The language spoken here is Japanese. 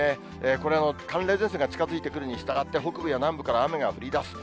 これの寒冷前線が近づいてくるにしたがって、北部や南部から雨が降りだす。